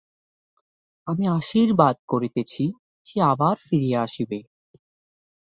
আমি আশীর্বাদ করিতেছি, সে আবার ফিরিয়া আসিবে।